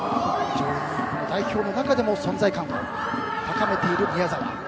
代表の中でも存在感を高めている宮澤。